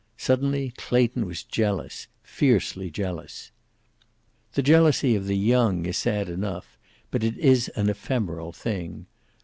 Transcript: Suddenly Clayton was jealous, fiercely jealous. The jealousy of the young is sad enough, but it is an ephemeral thing.